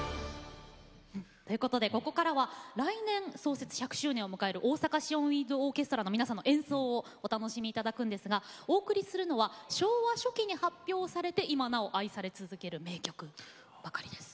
ここからは来年創設１００周年を迎えるオオサカ・シオン・ウインド・オーケストラの皆さんの演奏をお楽しみいただくんですがお送りするのは昭和初期に発表されて今なお愛され続ける名曲ばかりです。